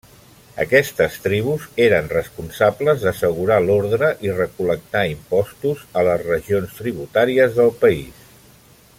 Aquestes tribus eren responsables d'assegurar l'ordre i recol·lectar impostos a les regions tributàries del país.